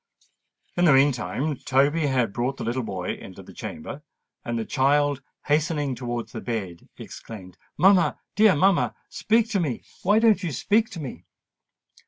In the meantime Toby had brought the little boy into the chamber; and the child, hastening towards the bed, exclaimed, "Mamma—dear mamma—speak to me—why don't you speak to me?"